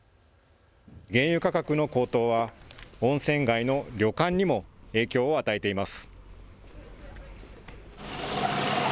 原油価格の高騰は温泉街の旅館にも影響を与えています。